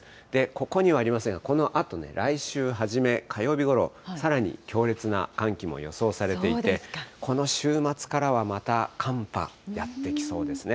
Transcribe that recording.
ここにはありません、このあと、来週初め、火曜日ごろ、さらに強烈な寒気が予想されていて、この週末からはまた寒波、やって来そうですね。